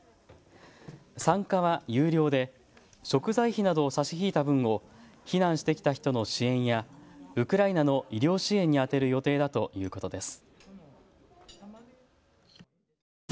参加は有料で食材費などを差し引いた分を避難してきた人の支援やウクライナの医療支援に充てる予定だということです。